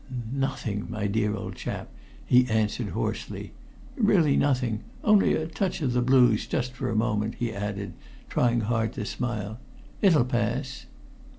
"Nothing, my dear old chap," he answered hoarsely. "Really nothing only a touch of the blues just for a moment," he added, trying hard to smile. "It'll pass."